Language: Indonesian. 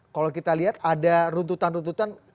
kalau kita lihat ada runtutan runtutan